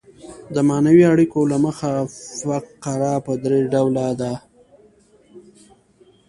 د معنوي اړیکو له مخه فقره پر درې ډوله ده.